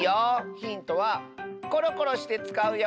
ヒントはコロコロしてつかうよ。